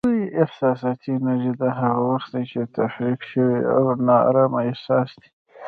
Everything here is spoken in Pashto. احساساتي انرژي: دا هغه وخت دی چې تحریک شوی او نا ارامه احساس دی.